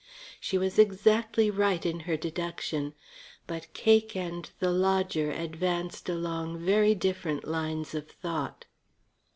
She was exactly right in her deduction. But Cake and the lodger advanced along very different lines of thought.